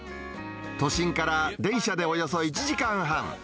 都心から電車でおよそ１時間半。